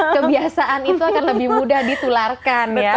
kebiasaan itu akan lebih mudah ditularkan ya